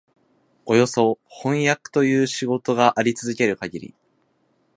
およそ飜訳という仕事があり続けるかぎり、